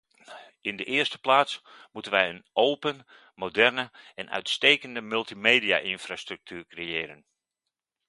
In de eerste plaats moeten wij een open, moderne en uitstekende multimedia-infrastructuur creëren.